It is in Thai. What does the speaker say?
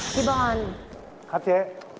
พี่บอลครับเจ๊